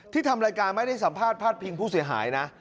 ทำรายการไม่ได้สัมภาษณพาดพิงผู้เสียหายนะ